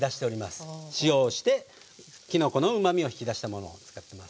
塩をしてきのこのうまみを引き出したものを使ってます。